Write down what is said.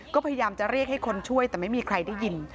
ก็พยายามจะเรียกให้คนช่วยแต่ไม่มีใครได้ยิน